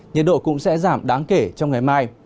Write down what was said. nhiệt độ cũng sẽ giảm đáng kể trong ngày mai